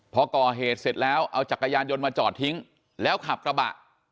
พอก่อเหตุเสร็จแล้วเอาจักรยานยนต์มาจอดทิ้งแล้วขับกระบะ